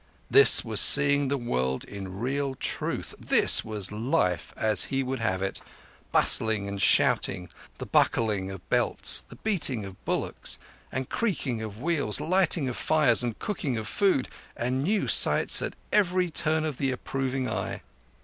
This was seeing the world in real truth; this was life as he would have it—bustling and shouting, the buckling of belts, and beating of bullocks and creaking of wheels, lighting of fires and cooking of food, and new sights at every turn of the approving eye.